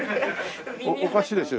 おかしいですよね